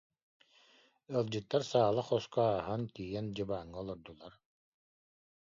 Ыалдьыттар саала хоско ааһан, тиийэн дьыбааҥҥа олордулар